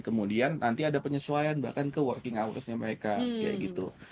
kemudian nanti ada penyesuaian bahkan ke working hoursnya mereka kayak gitu